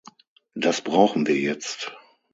Das brauchen wir jetzt.